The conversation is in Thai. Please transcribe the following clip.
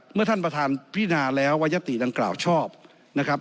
เมื่อท่านประธานพินาแล้วว่ายติดังกล่าวชอบนะครับ